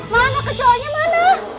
mana kecauannya mana